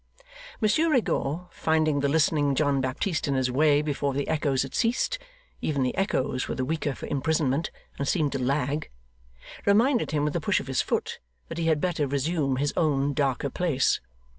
Monsieur Rigaud, finding the listening John Baptist in his way before the echoes had ceased (even the echoes were the weaker for imprisonment, and seemed to lag), reminded him with a push of his foot that he had better resume his own darker place.